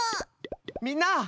みんな！